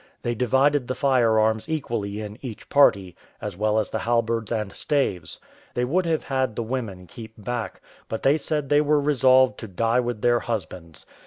They divided the firearms equally in each party, as well as the halberds and staves. They would have had the women kept back, but they said they were resolved to die with their husbands.